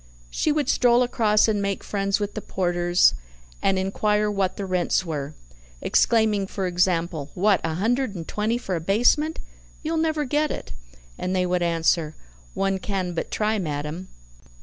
She would stroll across and make friends with the porters, and inquire what the rents were, exclaiming for example: "What! a hundred and twenty for a basement? You'll never get it!" And they would answer: "One can but try, madam."